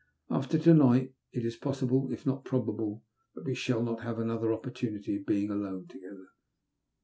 After to night it is possible, if not probable, that we shall not have another opportunity of being alone together.